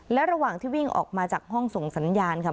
และระหว่างที่วิ่งออกมาจากห้องส่งสัญญาณค่ะ